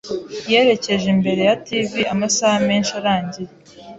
Yerekeje imbere ya TV amasaha menshi arangiye.